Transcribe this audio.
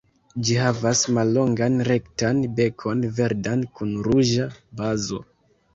Ĝi havas mallongan rektan bekon, verdan kun ruĝa bazo.